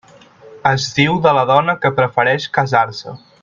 Es diu de la dona que prefereix casar-se.